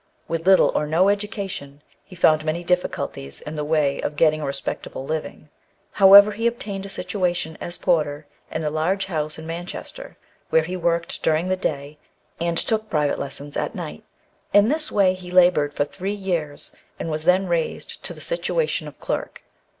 With little or no education, he found many difficulties in the way of getting a respectable living. However he obtained a situation as porter in a large house in Manchester, where he worked during the day, and took private lessons at night. In this way he laboured for three years, and was then raised to the situation of clerk.